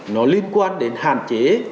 nó liên quan đến hạn chế